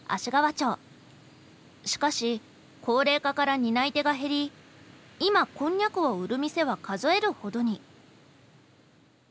しかし高齢化から担い手が減り今こんにゃくを売る店は数えるほどに。